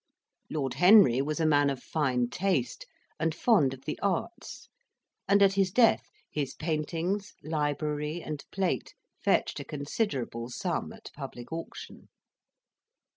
Lord Henry was a man of fine taste, and fond of the arts, and, at his death, his paintings, library, and plate fetched a considerable sum at public auction.